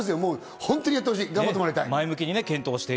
本当にやってほしい。頑張ってもらいたい。